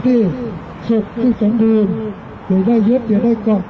ที่เกี่ยวข้างหนึ่งที่เกี่ยวข้างหนึ่ง